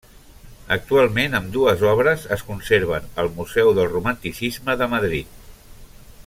Actualment ambdues obres es conserven al Museu del Romanticisme de Madrid.